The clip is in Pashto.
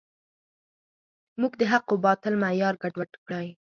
موږ د حق و باطل معیار ګډوډ کړی.